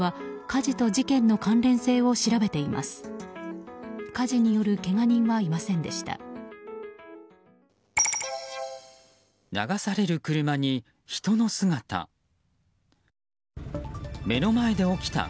火事によるけが人はいませんでした。